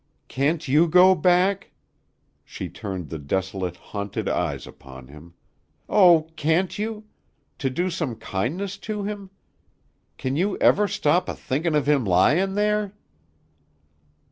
"Can't you go back?" She turned the desolate, haunted eyes upon him. "Oh, can't you? to do some kindness to him? Can you ever stop a thinkin' of him lyin' there?"